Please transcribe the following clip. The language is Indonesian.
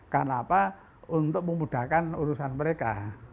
karena apa untuk memudahkan urusan mereka